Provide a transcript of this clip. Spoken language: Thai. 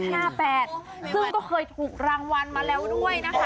ซึ่งก็เคยถูกรางวัลมาแล้วด้วยนะคะ